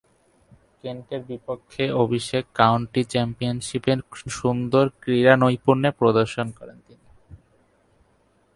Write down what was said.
কেন্টের বিপক্ষে অভিষেক কাউন্টি চ্যাম্পিয়নশীপে সুন্দর ক্রীড়ানৈপুণ্য প্রদর্শন করেন তিনি।